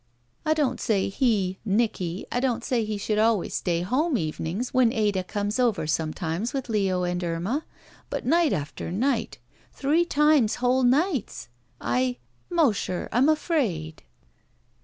"I don't say he — Nicky — I don't say he should always stay home evenings when Ada comes over sometimes with Leo and Lma, but night after night — ^three times whole nights — I — Mo sher, I'm afraid."